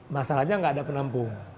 masalahnya enggak ada penampung